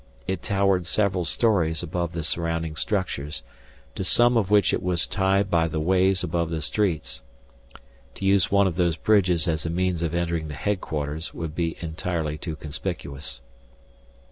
It towered several stories above the surrounding structures, to some of which it was tied by the ways above the streets. To use one of those bridges as a means of entering the headquarters would be entirely too conspicuous.